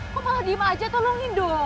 kok malah diem aja tolongin dong